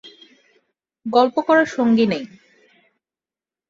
গল্প করার সঙ্গী নেই।